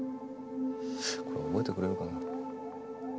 これ覚えてくれるかな？